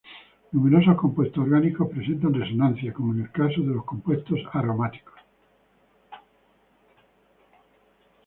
Numerosos compuestos orgánicos presentan resonancia, como en el caso de los compuestos aromáticos.